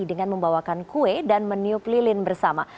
dengan membawakan kue dan meniup lilin bersama